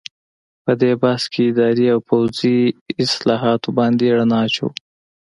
په دې بحث کې اداري او پوځي اصلاحاتو باندې رڼا اچوو.